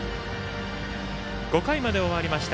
５回まで終わりました